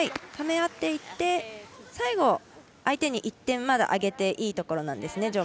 ため合っていって最後、相手に１点をまだあげていいところですね。